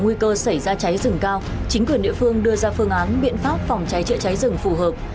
nguy cơ xảy ra cháy rừng cao chính quyền địa phương đưa ra phương án biện pháp phòng cháy chữa cháy rừng phù hợp